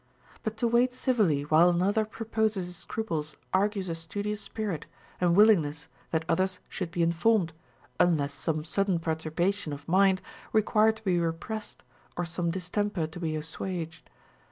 But to wait civilly while another proposes his scruples argues a studious spirit and willingness that others should be informed, unless some sudden perturbation of mind require to be repressed or some distemper to be assuaged.